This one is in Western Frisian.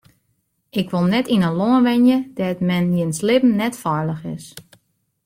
Ik wol net yn in lân wenje dêr't men jins libben net feilich is.